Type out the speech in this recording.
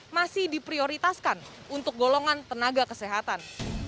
masih diprioritaskan untuk golongan tenaga kesehatan